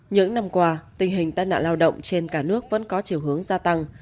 những năm qua tình hình tai nạn lao động trên cả nước vẫn có chiều hướng gia tăng